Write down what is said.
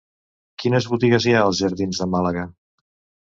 Quines botigues hi ha als jardins de Màlaga?